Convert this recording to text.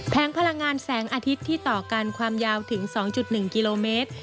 พลังงานแสงอาทิตย์ที่ต่อกันความยาวถึง๒๑กิโลเมตร